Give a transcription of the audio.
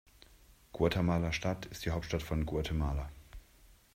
Guatemala-Stadt ist die Hauptstadt von Guatemala.